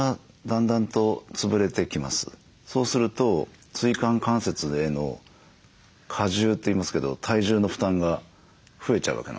そうすると椎間関節への過重といいますけど体重の負担が増えちゃうわけなんですね。